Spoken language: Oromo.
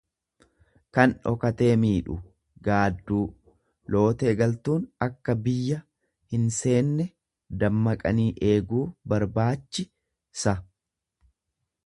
kan dhokatee miidhu, gaadduu; Lootee galtuuun akka biyya hinseenne dammaqanii eeguu barbaachi sa.